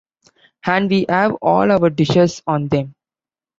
And we have all our dishes on them.